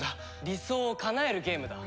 理想をかなえるゲームだ。